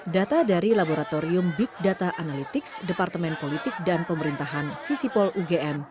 data dari laboratorium big data analytics departemen politik dan pemerintahan visipol ugm